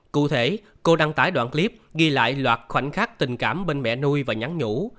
cụ thể cô đăng tải đoạn clip ghi lại loạt khoảnh khắc tình cảm bên mẹ nuôi và nhắn nhủ